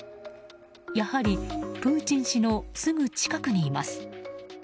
やはり、プーチン氏のすぐ近くにいます。